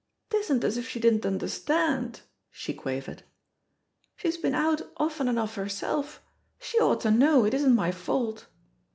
"'Tisn't as if she didn't understand!" she quavered. "She's been out often enough herself; she ought to know it isn't my fault.